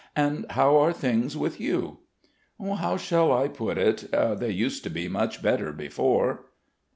"And how are things with you?" "How shall I put it?... They used to be much better before."